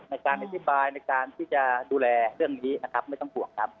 ในการอธิบายในการที่จะดูแลเรื่องนี้นะครับไม่ต้องห่วงครับ